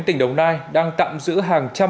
tỉnh đồng nai đang tạm giữ hàng trăm